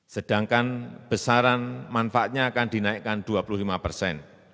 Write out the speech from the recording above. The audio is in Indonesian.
sedangkan besaran manfaatnya akan dinaikkan dua puluh lima persen